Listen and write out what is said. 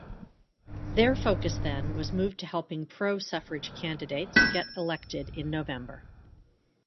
Their focus then was moved to helping pro-suffrage candidates get elected in November.